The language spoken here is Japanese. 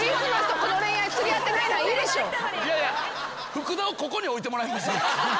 福田をここに置いてもらえません？